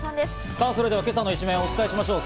さぁ、それでは今朝の一面をお伝えしましょう。